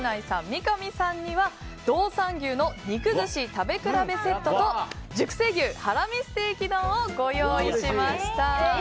三上さんには道産牛の肉寿司食べ比べセットと熟成牛ハラミステーキ丼をご用意しました。